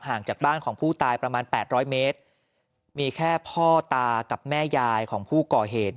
จากบ้านของผู้ตายประมาณแปดร้อยเมตรมีแค่พ่อตากับแม่ยายของผู้ก่อเหตุ